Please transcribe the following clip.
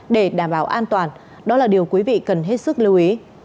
để đảm bảo an toàn đó là điều quý vị cần hết sức lưu ý